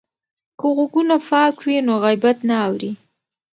که غوږونه پاک وي نو غیبت نه اوري.